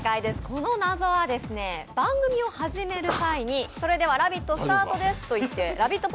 この謎は、番組を始める際に、それでは「ラヴィット！」スタートですと言ってラヴィット！